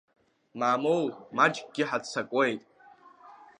Мамоу, маҷкгьы ҳаццакуеит!